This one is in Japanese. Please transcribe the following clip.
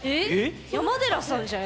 山寺さんじゃん！